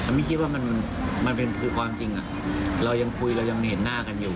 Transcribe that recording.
ไม่คิดว่ามันเป็นคือความจริงเรายังคุยเรายังเห็นหน้ากันอยู่